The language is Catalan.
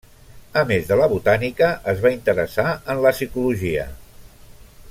A més de la Botànica es va interessar en la Psicologia.